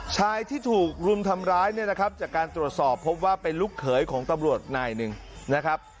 ชายที่ถูกรุมทำร้ายเนี่ยนะครับจากการตรวจสอบพบว่าเป็นลูกเขยของตำรวจนายหนึ่งนะครับ